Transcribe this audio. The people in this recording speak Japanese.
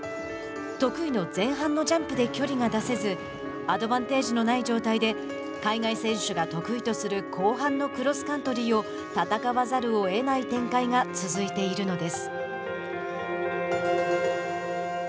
得意の前半のジャンプで距離が出せずアドバンテージのない状態で海外選手が得意とする後半のクロスカントリーを戦わざるを得ない展開が続いているのです。